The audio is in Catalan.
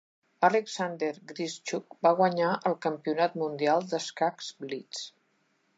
Alexander Grischuk va guanyar el Campionat Mundial d'escacs Blitz.